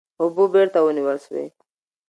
اوبه بېرته ونیول سوې.